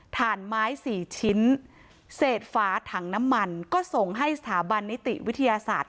ฐานไม้สี่ชิ้นเศษฝาถังน้ำมันก็ส่งให้สถาบันนิติวิทยาศาสตร์